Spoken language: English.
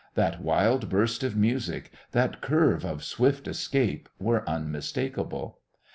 That wild burst of music, that curve of swift escape, were unmistakable.